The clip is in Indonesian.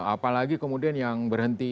apalagi kemudian yang berhenti